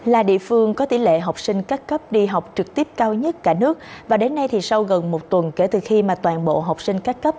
là địa phương có tỷ lệ học sinh các cấp đi học trực tiếp cao nhất cả nước và đến nay thì sau gần một tuần kể từ khi mà toàn bộ học sinh các cấp